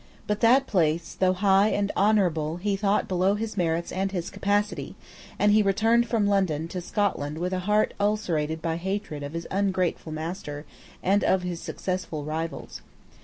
But that place, though high and honourable, he thought below his merits and his capacity; and he returned from London to Scotland with a heart ulcerated by hatred of his ungrateful master and of his successful rivals.